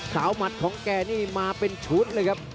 หมัดของแกนี่มาเป็นชุดเลยครับ